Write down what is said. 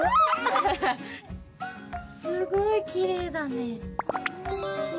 すごいきれいだね。